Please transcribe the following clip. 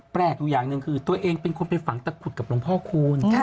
แปลกอยู่อย่างหนึ่งคือตัวเองเป็นคนไปฝังตะขุดกับหลวงพ่อคูณ